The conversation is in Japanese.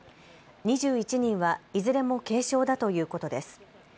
２１人はいずれも軽傷だということです。